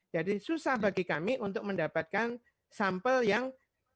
jadi susah bagi kami untuk mendapatkan sampel yang